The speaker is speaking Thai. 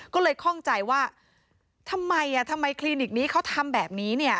ก็เลยคล่องใจว่าทำไมทำไมคลินิกนี้เขาทำแบบนี้เนี่ย